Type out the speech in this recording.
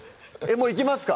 もういきますか？